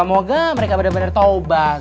semoga mereka benar benar di toko bang